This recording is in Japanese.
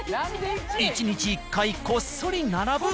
１日１回こっそり並ぶ。